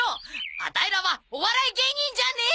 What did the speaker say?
アタイらはお笑い芸人じゃねえ！